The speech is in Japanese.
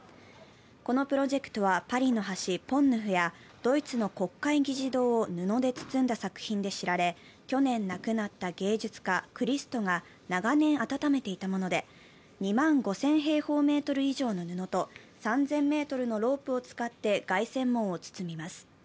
このプロジェクトはパリの橋、ポンヌフやドイツの国会議事堂を布で包んだ作品で知られ、去年亡くなった芸術家、クリストが長年温めていたもので、２万５０００平方メートル以上の布と３０００ｍのロープを使って凱旋門を包みます。